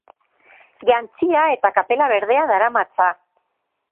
Jantzia eta kapela berdea daramatza.